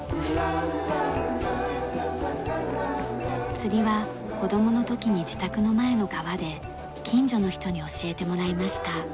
釣りは子供の時に自宅の前の川で近所の人に教えてもらいました。